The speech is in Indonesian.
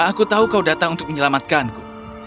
aku tahu kau datang untuk menyelamatkanku